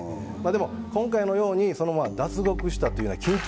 でも今回のように脱獄したという。